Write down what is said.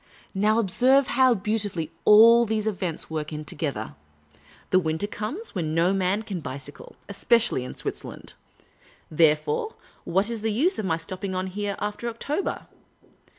Now, observe how beautifully all these events work in together ! The winter comes, when no man can bicycle, especially in Switzerland. Therefore, what is the use of my stopping on here after October?